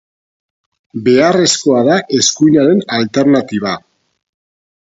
Beharrezkoa da eskuinaren alternatiba.